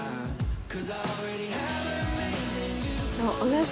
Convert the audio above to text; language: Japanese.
同じ。